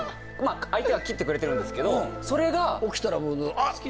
相手は切ってくれてるんですけどそれが起きたら「あっ！」